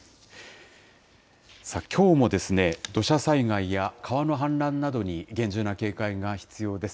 きょうも土砂災害や川の氾濫などに厳重な警戒が必要です。